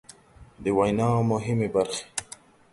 د وينا مهمې برخې